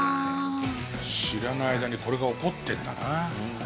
知らない間にこれが起こってるんだな。